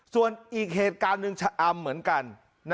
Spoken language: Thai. ส่วนอีกเหตุการณ์หนึ่งชะอำเหมือนกัน